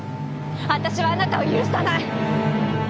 私はあなたを許さない！